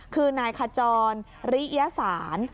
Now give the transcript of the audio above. คือนายขจรริยสาร